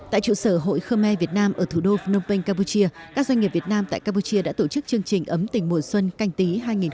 tại trụ sở hội khơ me việt nam ở thủ đô phnom penh campuchia các doanh nghiệp việt nam tại campuchia đã tổ chức chương trình ấm tỉnh mùa xuân canh tí hai nghìn hai mươi